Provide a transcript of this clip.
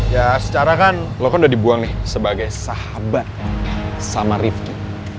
ya secara kan lo kan udah dibuang nih sebagai sahabat sama rifki